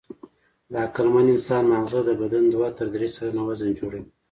د عقلمن انسان ماغزه د بدن دوه تر درې سلنه وزن جوړوي.